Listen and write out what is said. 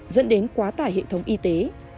dẫn đến quá tải hệ thống y tế